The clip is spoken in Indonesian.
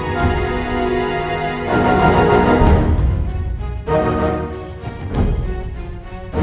nanti ada ya mbak kalau dia ada